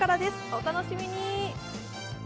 お楽しみに。